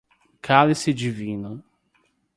Cálice divino